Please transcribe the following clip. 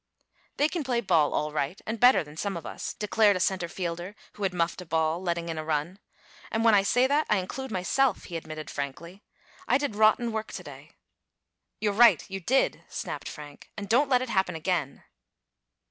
"They can play ball all right, and better than some of us," declared a centre fielder who had muffed a ball, letting in a run. "And when I say that I include myself," he admitted frankly. "I did rotten work to day." "You're right, you did!" snapped Frank. "And don't let it happen again."